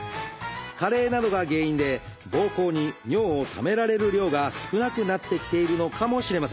加齢などが原因でぼうこうに尿をためられる量が少なくなってきているのかもしれません。